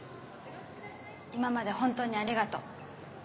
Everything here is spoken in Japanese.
今まで本当にありがとう。